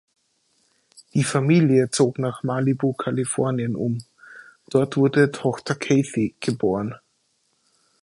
Die Familie zog nach Malibu, Kalifornien um. Dort wurde Tochter Kathy geboren.